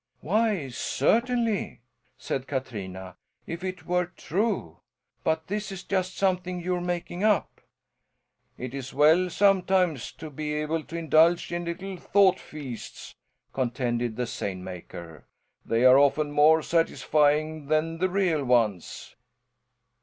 "Why certainly," said Katrina, "if it were true. But this is just something you're making up." "It is well, sometimes, to be able to indulge in little thought feasts," contended the seine maker, "they are often more satisfying than the real ones."